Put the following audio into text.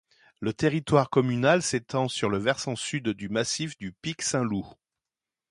Le territoire communal s'étend sur le versant sud du massif du pic Saint-Loup.